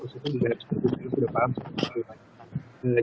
maksudnya kita sudah paham seperti apa